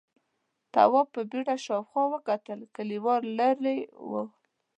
تواب په بيړه شاوخوا وکتل، کليوال ليرې و: